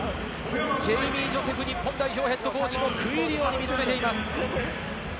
ジェイミー・ジョセフ日本代表ＨＣも食い入るように見つめています。